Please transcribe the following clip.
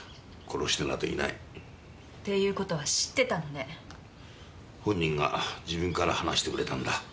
殺してなどいないていうことは知ってたのね本人が自分から話してくれたんだ